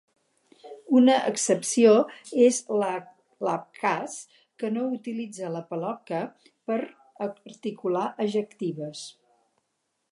Una excepció és l'abkhaz, que no utilitza la palochka per articular ejectives.